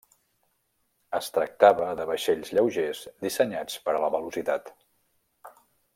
Es tractava de vaixells lleugers dissenyats per a la velocitat.